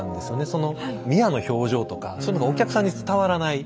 ミアの表情とかそういうのがお客さんに伝わらない。